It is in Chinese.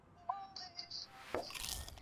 鹉川站日高本线的铁路车站。